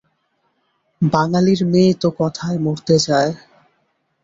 বাঙালির মেয়ে তো কথায় মরতে যায়।